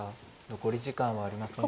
残り時間はありません。